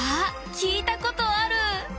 聞いたことある。